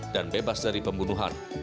dan bebas dari pembunuhan